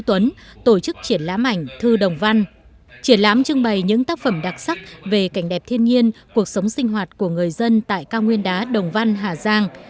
triển lãm trưng bày những tác phẩm đặc sắc về cảnh đẹp thiên nhiên cuộc sống sinh hoạt của người dân tại cao nguyên đá đồng văn hà giang